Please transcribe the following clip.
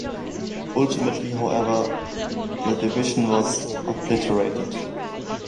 Ultimately however, the division was obliterated.